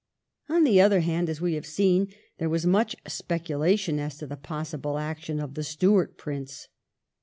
On the other hand, as we have seen, there was much speculation as to the possible action of the Stuart Prince.